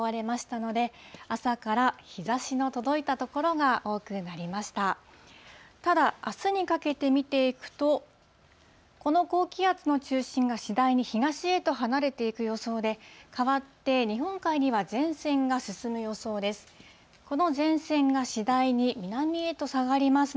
ただ、あすにかけて見ていくと、この高気圧の中心が、次第に東へと離れていく予想で、かわって、日本海には前線が進む予想です。